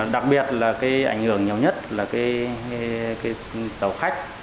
đặc biệt là cái ảnh hưởng nhiều nhất là cái tàu khách